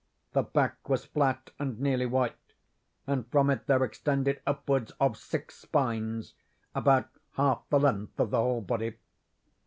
The back was flat and nearly white, and from it there extended upwards of six spines, about half the length of the whole body.